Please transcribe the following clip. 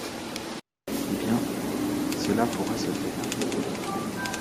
Eh bien, cela pourra se faire.